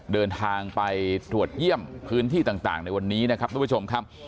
เดินทางไปตรวจเยี่ยมพื้นที่ต่างในวันนี้นะครับทุกผู้ชมครับ